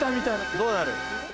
どうなる？